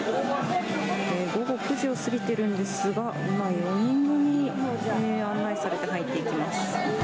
午後９時を過ぎてるんですが、今、４人組が案内されて、入っていきます。